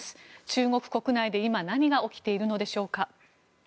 中国国内で今何が起きているのでしょうか。